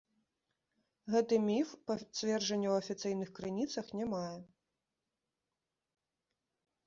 Гэты міф пацверджання ў афіцыйных крыніцах не мае.